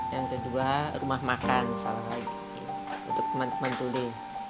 yang kedua rumah makan salah satu untuk teman teman tuli